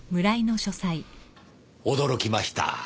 驚きました。